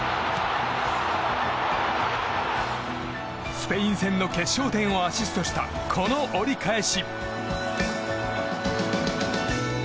スペイン戦の決勝点をアシストした、この折り返し。